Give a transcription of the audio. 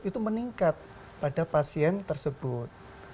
itu meningkat pada pasien tersebut